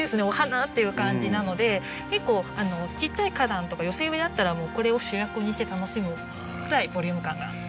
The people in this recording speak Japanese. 「お花！」っていう感じなので結構ちっちゃい花壇とか寄せ植えだったらもうこれを主役にして楽しむくらいボリューム感が。